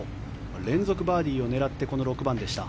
連続バーディーを狙ってこの６番でした。